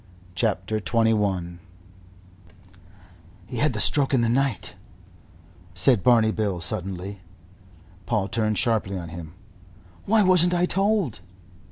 CHAPTER XXI "HE had the stroke in the night," said Barney Bill suddenly. Paul turned sharply on him. "Why wasn't I told?"